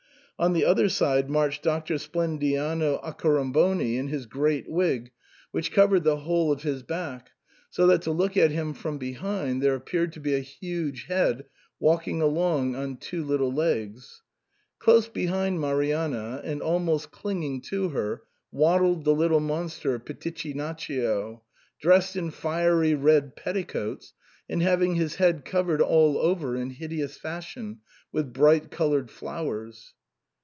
On the other side marched Doctor Splendiano 122 SIGNOR FORMICA. Accoramboni in his great wig, which covered the whole of his back, so that to look at him from behind there appeared to be a huge head walking along on two little legs. Close behind Marianna, and almost clinging to her, waddled the little monster Pitichinaccio, dressed in fiery red petticoats, and having his head covered all over in hideous fashion with bright coloured flowers.